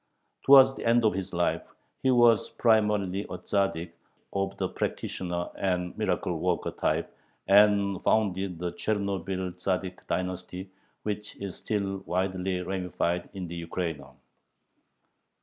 Towards the end of his life he was primarily a Tzaddik, of the "practitioner" and "miracle worker" type, and founded the "Chernobyl Tzaddik dynasty," which is still widely ramified in the Ukraina.